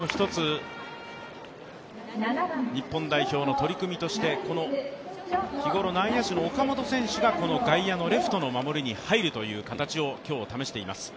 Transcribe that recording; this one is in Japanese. この辺りも１つ、日本代表の取り組みとして日ごろ、内野手の岡本選手が外野のレフトの守りに入るという形を今日、試しています。